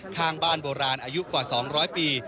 ข้างบ้านโบราณอายุกว่าสองร้อยปี